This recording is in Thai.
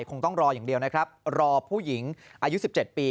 คงต้องรออย่างเดียวนะครับรอผู้หญิงอายุ๑๗ปี